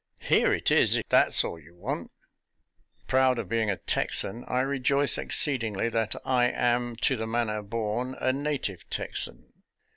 " Here it is, if that's all you want." FUN IN THE TRENCHES 247 Proud of being a Texan, I rejoice exceedingly that I am " to the manner born," a native Texan.